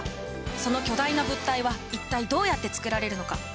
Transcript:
その巨大な物体は一体どうやって作られるのか。